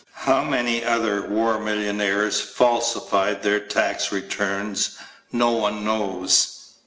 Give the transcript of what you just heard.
How many other war millionaires falsified their tax returns no one knows.